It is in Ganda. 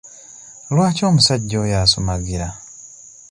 Lwaki omusajja oyo asumagira?